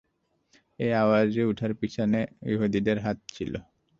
এ আওয়াজ উঠার পেছনে ইহুদীদের হাত ছিল।